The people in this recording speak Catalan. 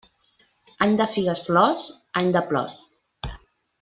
Any de figues-flors, any de plors.